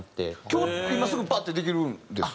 今日今すぐパッてできるんですか？